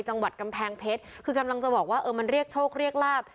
จังหวัดกำแพงเพชรคือกำลังจะบอกว่าเออมันเรียกโชคเรียกลาบ